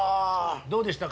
どうでしたか？